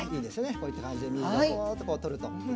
こういった感じで水でぽっと取ると。